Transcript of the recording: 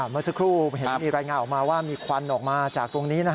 เมื่อสักครู่เห็นมีรายงานออกมาว่ามีควันออกมาจากตรงนี้